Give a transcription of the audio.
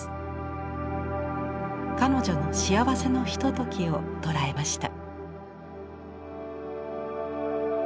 彼女の幸せのひとときを捉えました。